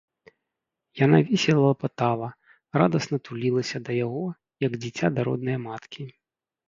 Яна весела лапатала, радасна тулілася да яго, як дзіця да роднае маткі.